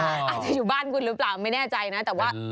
อาจจะอยู่บ้านคุณหรือเปล่าไม่แน่ใจนะแต่ว่า